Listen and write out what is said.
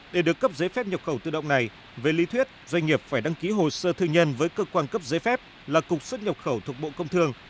để được cấp giấy phép nhập khẩu tự động này về lý thuyết doanh nghiệp phải đăng ký hồ sơ thư nhân với cơ quan cấp giấy phép là cục xuất nhập khẩu thuộc bộ công thương